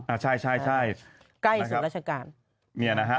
อ่าใช่ใช่ใกล้ศูนย์ราชการเนี่ยนะฮะ